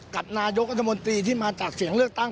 กับนายกรัฐมนตรีที่มาจากเสียงเลือกตั้ง